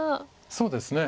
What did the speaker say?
そうですね。